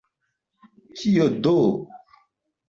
Kio do!